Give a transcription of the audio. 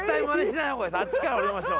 あっちから降りましょう。